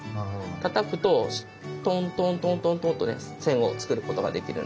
たたくとトントントントントンとね線を作ることができるんで。